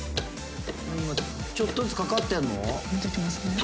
ちょっとずつかかってんの？